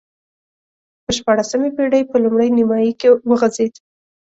په شپاړسمې پېړۍ په لومړۍ نییمایي کې وغځېد.